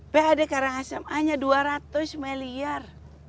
pad karangasem hanya dua ratus miliar